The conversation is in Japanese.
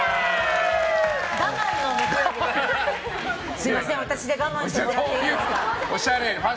すみません、私で我慢してもらっていいですか？